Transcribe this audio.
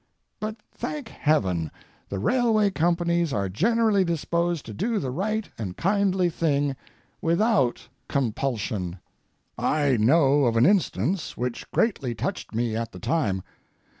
But, thank Heaven, the railway companies are generally disposed to do the right and kindly thing without compulsion. I know of an instance which greatly touched me at the time.